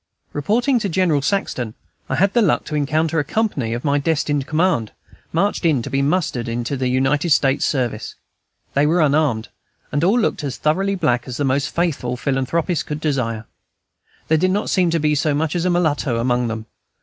Reporting to General Saxton, I had the luck to encounter a company of my destined command, marched in to be mustered into the United States service. They were unarmed, and all looked as thoroughly black as the most faithful philanthropist could desire; there did not seem to be so much as a mulatto among them.